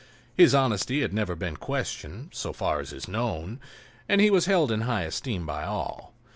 His honesty had never been questioned, so far as is known, and he was held in high esteem by all.